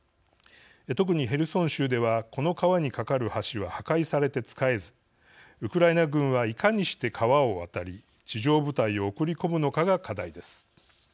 特にヘルソン州ではこの川に架かる橋は破壊されて使えずウクライナ軍はいかにして川を渡り、地上部隊を送り込むのかが課題です。